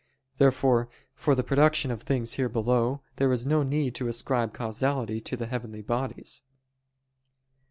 Therefore for the production of things here below, there is no need to ascribe causality to the heavenly bodies.